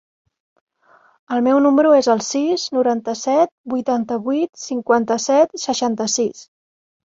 El meu número es el sis, noranta-set, vuitanta-vuit, cinquanta-set, seixanta-sis.